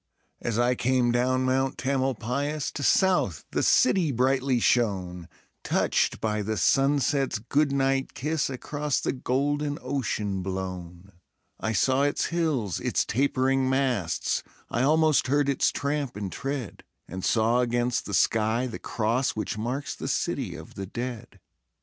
As I came down Mount Tamalpais, To south the city brightly shone, Touched by the sunset's good night kiss Across the golden ocean blown; I saw its hills, its tapering masts, I almost heard its tramp and tread, And saw against the sky the cross Which marks the City of the Dead.